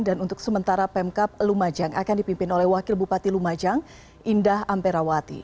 dan untuk sementara pemkap lumajang akan dipimpin oleh wakil bupati lumajang indah amprawati